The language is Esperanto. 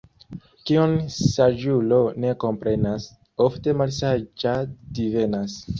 Kion saĝulo ne komprenas, ofte malsaĝa divenas.